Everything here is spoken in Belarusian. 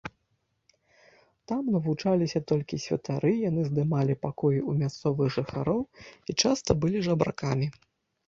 Там навучаліся толькі святары, яны здымалі пакоі ў мясцовых жыхароў і часта былі жабракамі.